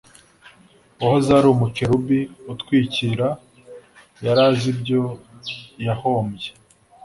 wahoze ari umukerubi utwikira, yari azi ibyo yahombye